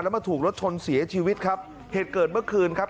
มาถูกรถชนเสียชีวิตครับเหตุเกิดเมื่อคืนครับ